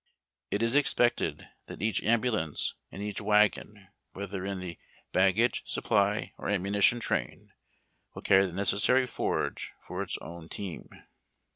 It is expected that each ambulance, and each wagon, whether in the bag gage, supply or amnumition train, will carry the necessary forage for its own team.